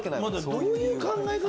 どういう考え方？